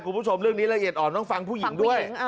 คุณผู้ชมเรื่องนี้ละเอียดอ่อนต้องฟังผู้หญิงด้วย